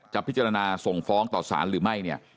พิจารณาส่งฟ้องต่อสารหรือไม่เนี่ย